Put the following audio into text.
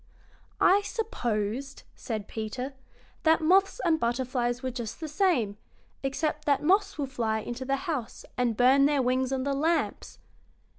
"I supposed," said Peter, "that moths and butterflies were just the same, except that moths will fly into the house and burn their wings on the lamps."